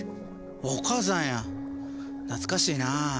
お母さんや懐かしいな。